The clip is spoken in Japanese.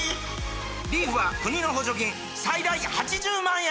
リーフは国の補助金最大８０万円！